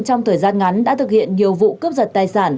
trong thời gian ngắn đã thực hiện nhiều vụ cướp giật tài sản